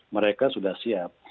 mereka sudah siap